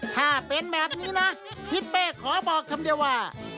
ถ้าเป็นแบบนี้นะทิศเป้ขอบอกคำเดียวว่า